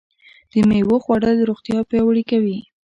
د مېوو خوړل روغتیا پیاوړې کوي.